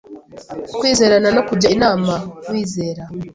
Kwizerana no kujya inama wiz era